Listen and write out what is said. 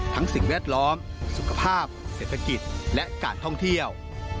สิ่งแวดล้อมสุขภาพเศรษฐกิจและการท่องเที่ยว